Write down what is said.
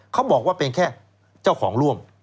เขาบอกว่าเป็นแค่เจ้าของร่วม